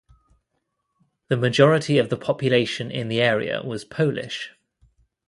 The majority of the population in the area was Polish.